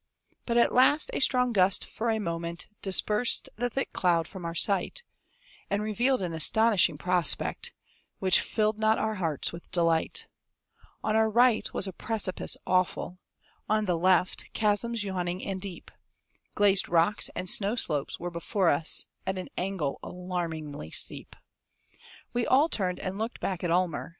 But at last a strong gust for a moment Dispersed the thick cloud from our sight, And revealed an astonishing prospect, Which filled not our hearts with delight: On our right was a precipice awful; On the left chasms yawning and deep; Glazed rocks and snow slopes were before us, At an angle alarmingly steep. We all turned and looked back at Almer.